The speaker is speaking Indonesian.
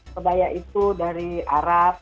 kebaya itu dari arab